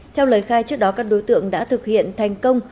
theo lời khai trước đó các đối tượng đã thực hiện thành công